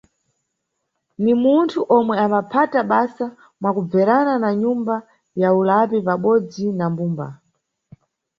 Ni munthu omwe ambaphata basa mwakubverana na nyumba ya ulapi pabodzi na mbumba.